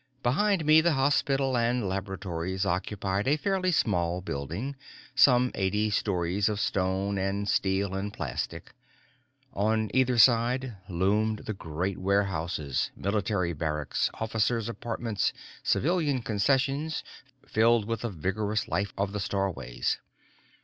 Behind me, the hospital and laboratories occupied a fairly small building, some eighty stories of stone and steel and plastic. On either side loomed the great warehouses, military barracks, officers' apartments, civilian concessions, filled with the vigorous life of the starways.